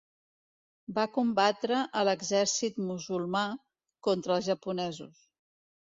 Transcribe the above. Van combatre a l'exèrcit musulmà contra els japonesos.